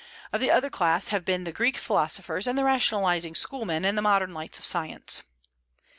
Of the other class have been the Greek philosophers and the rationalizing schoolmen and the modern lights of science.